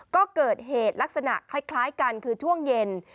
ก็เกิดเหตุลักษณะคล้ายกันคือช่วงเย็น